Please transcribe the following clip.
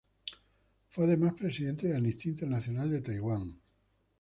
Fue además presidente de Amnistía Internacional de Taiwán.